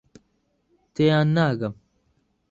تێیان ناگەم.